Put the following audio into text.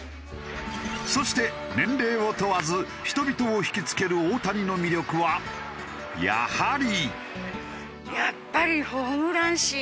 そして年齢を問わず人々を引きつける大谷の魅力はやはり。